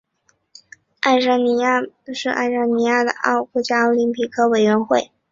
爱沙尼亚奥林匹克委员会是爱沙尼亚的国家奥林匹克委员会。